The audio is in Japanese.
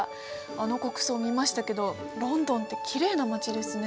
あの国葬見ましたけどロンドンってきれいな街ですね。